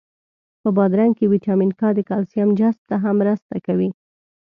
په بادرنګ کی ویټامین کا د کلسیم جذب ته هم مرسته کوي.